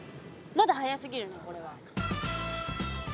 まだ早すぎるねこれは。